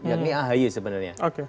yakni ahy sebenarnya